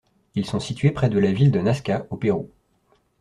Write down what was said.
Ils sont situés près de la ville de Nazca, au Pérou.